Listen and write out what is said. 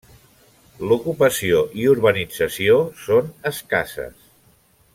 L'ocupació i urbanització són escasses.